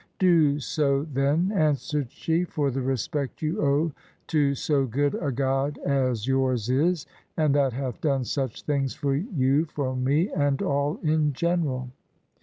"Do so, then," answered she, "for the respect you owe to so good a God as yours is, and that hath done such things for you, for me, and all in general."